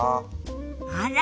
あら。